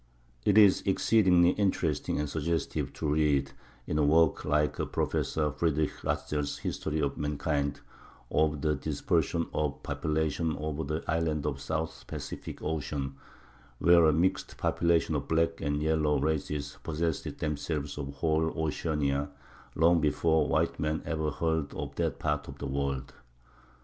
It is exceedingly interesting and suggestive to read in a work like Professor Friedrich Ratzel's "History of Mankind," of the dispersion of population over the islands of the South Pacific Ocean, where a mixed population of black and yellow races possessed themselves of the whole of Oceanica long before white men had even heard of that part of the world.